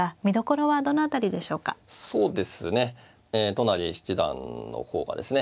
都成七段の方がですね